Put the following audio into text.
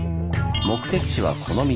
目的地はこの道。